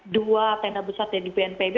dua tenda besar dari bnpb